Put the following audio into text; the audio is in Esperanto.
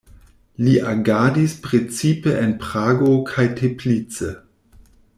Li agadis precipe en Prago kaj Teplice.